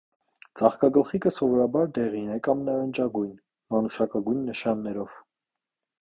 Ծաղկագլխիկը սովորաբար դեղին է կամ նարնջագույն՝ մանուշակագույն նշաններով։